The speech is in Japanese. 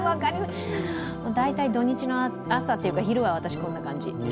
大体、土日の朝っていうか昼は私、こんな感じ。